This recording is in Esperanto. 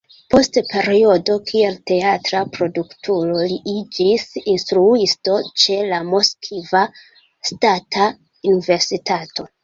Post periodo kiel teatra produktoro, li iĝis instruisto ĉe la Moskva Ŝtata Universitato.